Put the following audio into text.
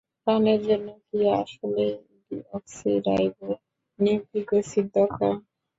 প্রাণের জন্য কী আসলেই ডিঅক্সিরাইবো নিউক্লিক এসিডই দরকার?